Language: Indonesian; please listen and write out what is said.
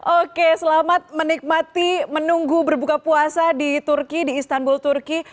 oke selamat menikmati menunggu berbuka puasa di turki di istanbul turki